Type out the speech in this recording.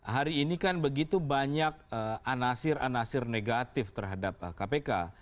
hari ini kan begitu banyak anasir anasir negatif terhadap kpk